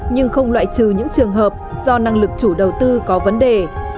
nhưng không loại trừ những trường hợp do năng lực chủ đầu tư có vấn đề